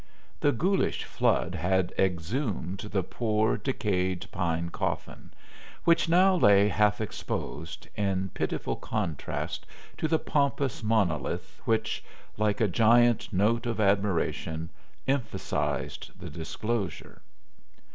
The ghoulish flood had exhumed the poor, decayed pine coffin, which now lay half exposed, in pitiful contrast to the pompous monolith which, like a giant note of admiration, emphasized the disclosure.